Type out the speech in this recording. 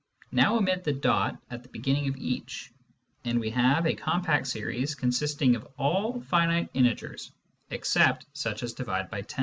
Now omit the dot at the beginning of each, and we have a compact series consisting of all finite integers except such as divide by 10.